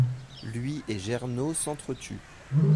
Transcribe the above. Lui et Gernot s'entretuent.